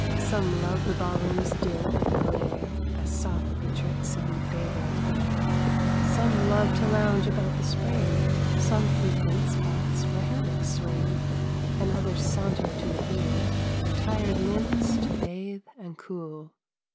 Some love the ball room's din and glare As soft they trip some favorite air, Some love to lounge about the spring, Some frequent spots where hammocks swing, And others saunter to the pool Their tired limbs to bathe and cool.